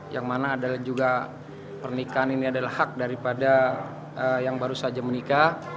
yang mana juga pernikahan ini adalah hak daripada yang baru saja menikah